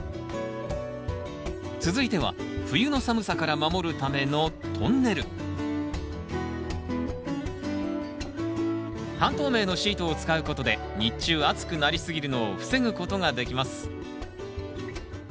続いては冬の寒さから守るためのトンネル半透明のシートを使うことで日中暑くなりすぎるのを防ぐことができます。